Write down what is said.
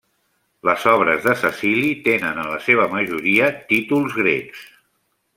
Les obres de Cecili tenen en la seva majoria títols grecs.